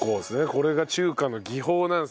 これが中華の技法なんですね。